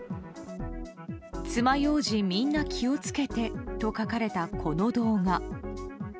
つまようじ、みんな気を付けてと書かれたこの動画。